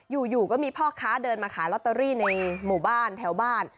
อยู่ก็มีพ่อค้าเดินมาขายลอตเตอรี่ในหมู่บ้านแถวบ้าน